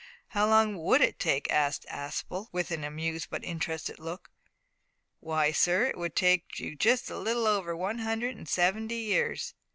"How long would it take?" asked Aspel, with an amused but interested look. "W'y, sir, it would take you just a little over one hundred and seventy years.